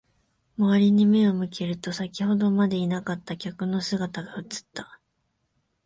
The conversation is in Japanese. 周りに目を向けると、先ほどまでいなかった客の姿が映った。